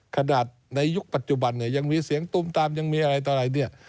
ขนาดในยุคปัจจุบันเนี่ยยังมีเสียงตุ้มตามยังมีอะไรต่ออะไรเนี่ย